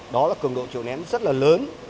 đó là cường độ trượt ném rất là lớn